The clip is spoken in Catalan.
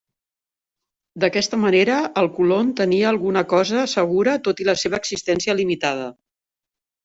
D'aquesta manera, el colon tenia alguna cosa segura, tot i la seva existència limitada.